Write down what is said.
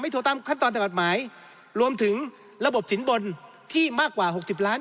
ถูกตามขั้นตอนทางกฎหมายรวมถึงระบบสินบนที่มากกว่าหกสิบล้าน